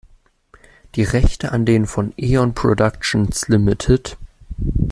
Die Rechte an den von Eon Productions Ltd.